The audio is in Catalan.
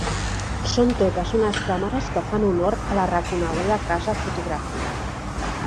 Són totes unes càmeres que fan honor a la reconeguda casa fotogràfica.